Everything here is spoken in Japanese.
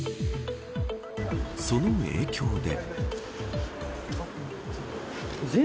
その影響で。